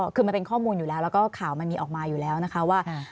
คือมันเป็นข้อมูลอยู่แล้วแล้วก็ข่าวมันมีออกมาอยู่แล้วนะคะว่า